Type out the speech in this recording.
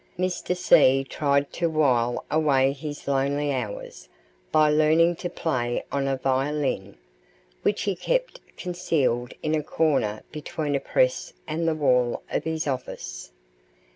Mr. C. tried to while away his lonely hours by learning to play on a violin, which he kept concealed in a corner between a press and the wall of his office.